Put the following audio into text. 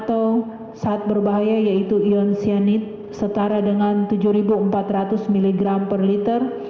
atau saat berbahaya yaitu ion cyanide setara dengan tujuh empat ratus mg per liter